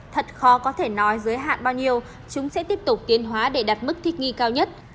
thật khó có thể nói giới hạn bao nhiêu chúng sẽ tiếp tục tiến hóa để đạt mức thích nghi cao nhất